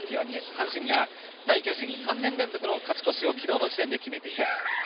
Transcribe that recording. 阪神が対巨人３年連続の勝ち越しを昨日の時点で決めています。